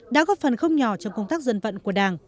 đã góp phần không nhỏ trong công tác dân vận của đảng